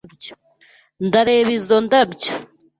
Ndareba izo ndabyo.